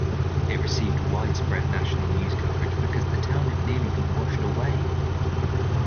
It received widespread national news coverage because the town had nearly been washed away.